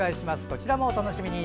こちらもお楽しみに。